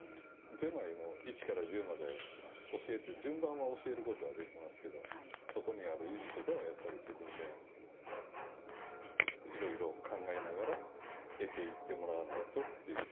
点前の１から１０まで教えて順番は教えることはできますけどそこにある意味とかはやっぱり自分でいろいろ考えながら得ていってもらわないとって